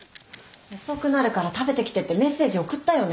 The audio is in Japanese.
遅くなるから食べてきてってメッセージ送ったよね？